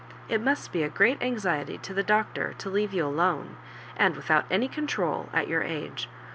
It must be a great anxiety to the Doctor to leare you alone, and without any control, at your age.